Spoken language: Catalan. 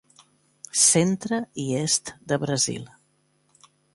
Centre i est de Brasil.